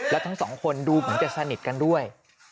แล้วทั้งสองคนดูเหมือนจะสนิทกันด้วย